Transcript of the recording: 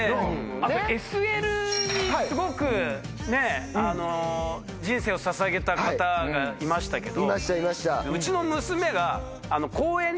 あとＳＬにすごくね人生をささげた方がいましたけど。